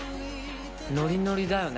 ノリノリだよね。